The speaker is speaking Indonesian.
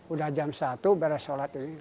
udah jam satu baru sholat ini